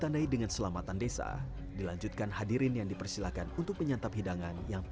ribuan masyarakat menikmati hiburan rakyat